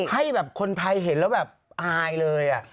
ให้คนไทยเห็นแล้วอ้ายเลย